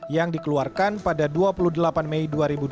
yang dikeluarkan pada dua puluh delapan mei dua ribu dua puluh